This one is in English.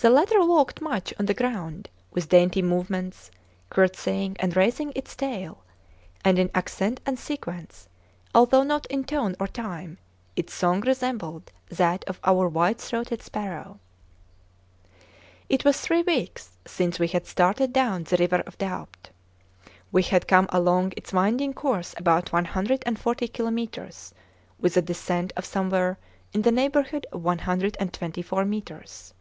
The latter walked much on the ground, with dainty movements, curtseying and raising its tail; and in accent and sequence, although not in tone or time, its song resembled that of our white throated sparrow. It was three weeks since we had started down the River of Doubt. We had come along its winding course about 140 kilometres, with a descent of somewhere in the neighborhood of 124 metres.